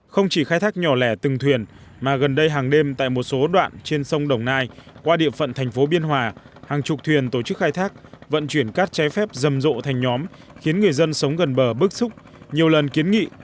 không chỉ khai thác nhỏ lẻ từng thuyền mà gần đây hàng đêm tại một số đoạn trên sông đồng nai qua địa phận thành phố biên hòa hàng chục thuyền tổ chức khai thác vận chuyển cát trái phép rầm rộ thành nhóm khiến người dân sống gần bờ bức xúc nhiều lần kiến nghị